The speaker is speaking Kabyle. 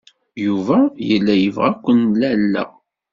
Yuba yella yebɣa ad ken-alleɣ.